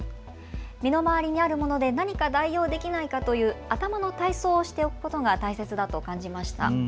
身の回りにあるもので何か代用できないかという頭の体操をしておくことが大切だと感じました。